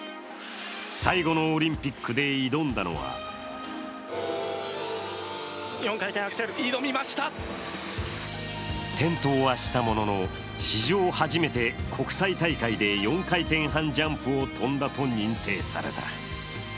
最後のオリンピックで挑んだのは転倒はしたものの、史上初めて国際大会で４回転半ジャンプを跳んだと認定された。